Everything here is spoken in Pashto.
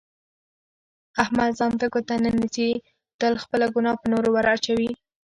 احمد ځان ته ګوته نه نیسي، تل خپله ګناه په نورو ور اچوي.